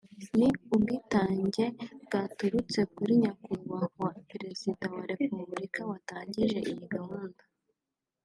ni ubwitange bwaturutse kuri Nyakubahwa Perezida wa Republika watangije iyi gahunda